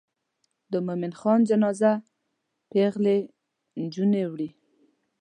د مومن خان جنازه پیغلې نجونې وړي.